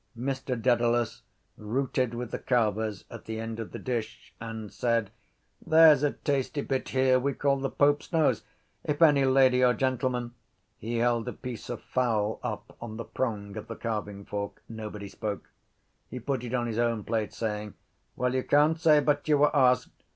Mr Dedalus rooted with the carvers at the end of the dish and said: —There’s a tasty bit here we call the pope’s nose. If any lady or gentleman... He held a piece of fowl up on the prong of the carvingfork. Nobody spoke. He put it on his own plate, saying: —Well, you can’t say but you were asked.